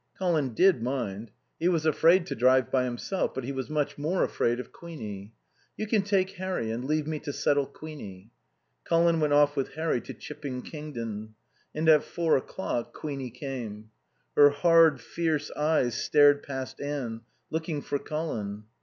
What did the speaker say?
Colin did mind. He was afraid to drive by himself; but he was much more afraid of Queenie. "You can take Harry. And leave me to settle Queenie." Colin went off with Harry to Chipping Kingden. And at four o'clock Queenie came. Her hard, fierce eyes stared past Anne, looking for Colin.